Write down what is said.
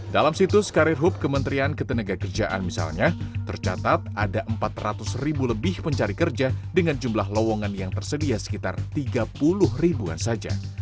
dalam situs karir hub kementerian ketenaga kerjaan misalnya tercatat ada empat ratus ribu lebih pencari kerja dengan jumlah lowongan yang tersedia sekitar tiga puluh ribuan saja